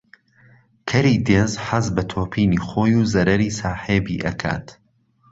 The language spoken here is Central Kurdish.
کەری دێز حەز بە تۆپینی خۆی و زەرەری ساحێبی ئەکات